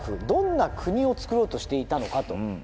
どんな国をつくろうとしていたのかと。